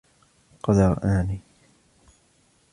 قَدْ رَآنِي